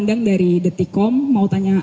undang dari detikom mau tanya